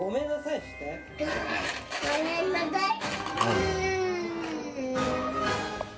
ごめんなさいして。